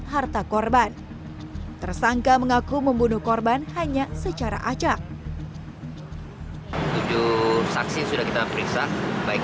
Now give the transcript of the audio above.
harta korban tersangka mengaku membunuh korban hanya secara acak tujuh saksi sudah kita periksa baik